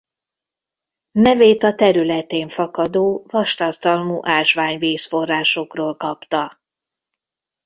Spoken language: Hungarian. Nevét a területén fakadó vastartalmú ásványvíz forrásokról kapta.